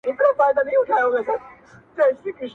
اوس به څوک د مظلومانو چیغي واوري -